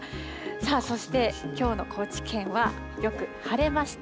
そして、きょうの高知県はよく晴れました。